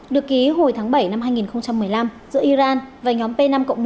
được ký hồi tháng bảy năm hai nghìn một mươi năm giữa iran và nhóm p năm một